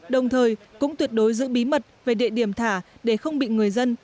đồng thời cũng tuyệt đối giữ bí mật về địa điểm thả để không bị người dân